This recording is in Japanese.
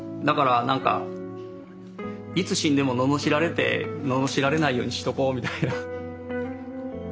だからなんかいつ死んでも罵られないようにしとこうみたいな。